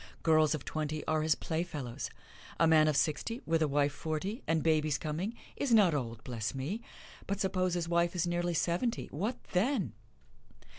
Girls of twenty are his playfellows. A man of sixty, with a wife forty, and babies coming, is not old bless me! But suppose his wife is nearly seventy what then!